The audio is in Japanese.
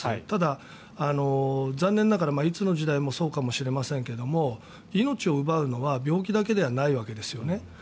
ただ、残念ながらいつの時代もそうかもしれませんが命を奪うのは病気だけではないわけですね。